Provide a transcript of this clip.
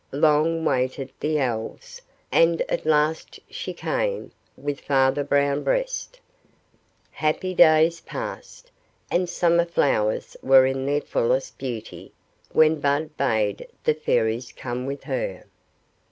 Long waited the Elves, and at last she came with Father Brown Breast. Happy days passed; and summer flowers were in their fullest beauty, when Bud bade the Fairies come with her.